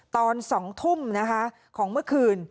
ตอน๒ทุ่มนะคะของเมื่อคืน